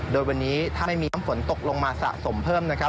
โดยวันนี้ถ้าไม่มีน้ำฝนตกลงมาสะสมเพิ่มนะครับ